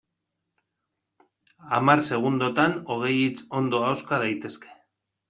Hamar segundotan hogei hitz ondo ahoska daitezke.